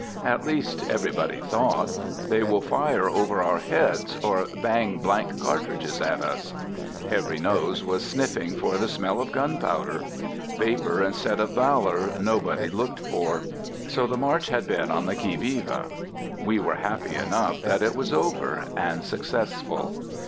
At least, everybody thought, "They will fire over our heads, or bang blank cartridges at us." Every nose was sniffing for the smell of powder. Vapor instead of valor nobody looked for. So the march had been on the qui vive. We were happy enough that it was over, and successful.